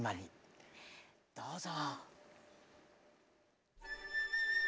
どうぞ。